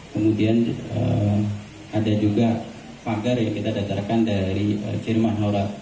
kemudian ada juga pagar yang kita datangkan dari jerman